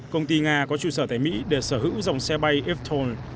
công ty nga có trụ sở tại mỹ để sở hữu dòng xe bay efton